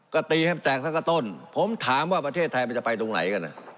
ก็ตีให้มันแตกสักกระต้นผมถามว่าประเทศไทยมันจะไปตรงไหนกัน